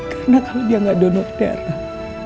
karena kalau dia gak donor darah